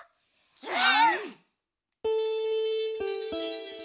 うん！